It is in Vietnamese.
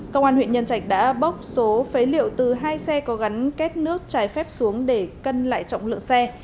công an huyện nhân trạch đã bốc số phế liệu từ hai xe có gắn kết nước trái phép xuống để cân lại trọng lượng xe